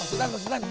pak sutan pak sutan